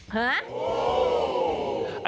ห่า